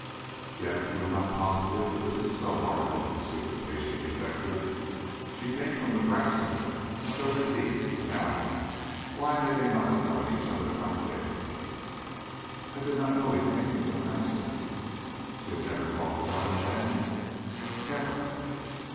"Yet you are not positive that this is so, are you?" pursued the patient detective. "She came from Nebraska, and so did he; now, why may they not have known each other there?" "I did not know that he came from Nebraska." "She has never talked about him then?" "Never."